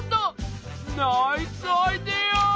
ナイスアイデア！